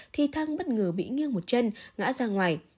thì thăng bất ngờ bị nghiêng một chân ngã ra ngoài